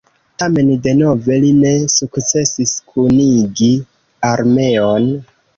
Tamen denove li ne sukcesis kunigi armeon.